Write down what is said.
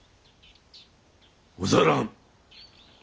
ござらん。